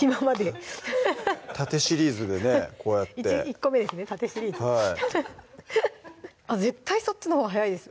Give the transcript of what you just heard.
今まで縦シリーズでねこうやって１個目ですね縦シリーズはい絶対そっちのほうが早いです